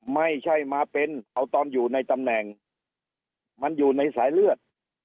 ไม่ใช่มาเป็นเอาตอนอยู่ในตำแหน่งมันอยู่ในสายเลือด